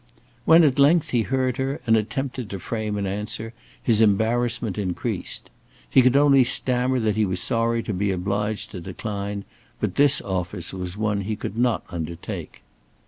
When at length he heard her and attempted to frame an answer, his embarrassment increased. He could only stammer that he was sorry to be obliged to decline, but this office was one he could not undertake.